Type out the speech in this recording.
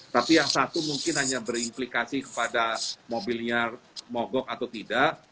tapi yang satu mungkin hanya berimplikasi kepada mobilnya mogok atau tidak